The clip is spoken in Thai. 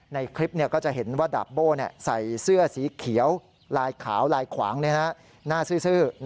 ในคลิปก็จะเห็นว่าดาบโบ้ใส่เสื้อสีเขียวลายขาวลายขวางหน้าซื่อ